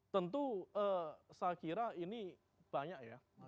tentu saya kira ini banyak ya